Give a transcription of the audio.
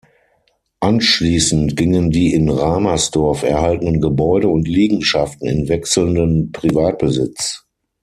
Anschließend gingen die in Ramersdorf erhaltenen Gebäude und Liegenschaften in wechselnden Privatbesitz.